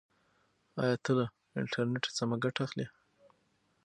ایا ته له انټرنیټه سمه ګټه اخلې؟